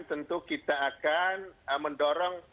tentu kita akan mendorong